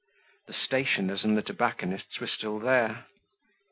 The stationer's and the tobacconist's were still there.